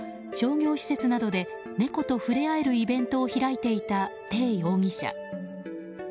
商業施設などで猫と触れ合えるイベントを開いていたテイ容疑者。